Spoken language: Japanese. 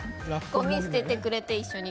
ゴミ捨ててくれて、一緒に。